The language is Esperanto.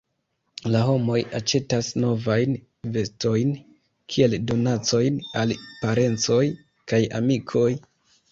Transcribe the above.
La homoj aĉetas novajn vestojn kiel donacojn al parencoj kaj amikoj.